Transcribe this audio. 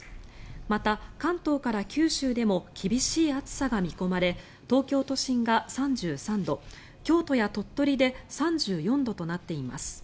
また、関東から九州でも厳しい暑さが見込まれ東京都心が３３度京都や鳥取で３４度となっています。